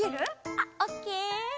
あっオッケー！